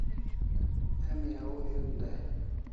Emi au zun dai